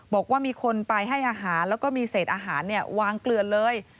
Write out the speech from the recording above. บอกว่ามีคนไปให้อาหารแล้วก็มีเศษอาหารวางเกลือนเลย